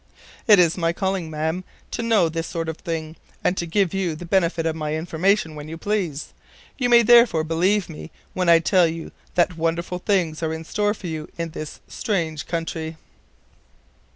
"It is my calling, Madam, to know this sort of thing, and to give you the benefit of my information when you please. You may therefore believe me when I tell you that wonderful things are in store for you in this strange country."